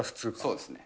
そうですね。